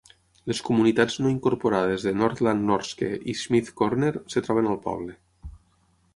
Les comunitats no incorporades de Northland, Norske i Schmidt Corner es troben al poble.